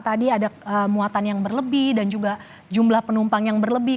tadi ada muatan yang berlebih dan juga jumlah penumpang yang berlebih